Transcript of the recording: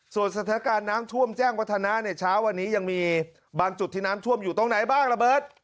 ส่วนสถานการณ์น้ำท่วมแจ้งวัฒนะในเช้าวันนี้ยังมีบางจุดที่น้ำท่วมอยู่ตรงไหนบ้างระเบิด